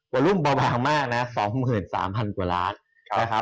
วอลูมบาวบางมาก๒๓๐๐๐กว่าล้านครับ